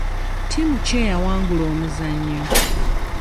Ttiimu ki eyawangula omuzannyo?